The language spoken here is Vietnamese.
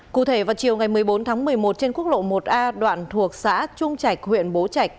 cụ thể vào chiều ngày một mươi bốn tháng một mươi một trên quốc lộ một a đoạn thuộc xã trung trạch huyện bố trạch